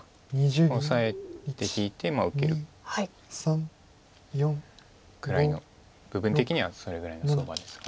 オサえて引いてまあ受けるぐらいの部分的にはそれぐらいの相場ですが。